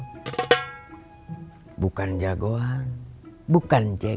hai bukan jagoan bukan jgk